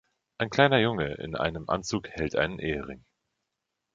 Ein kleiner Junge in einem Anzug hält einen Ehering.